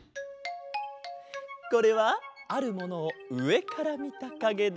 これはあるものをうえからみたかげだ。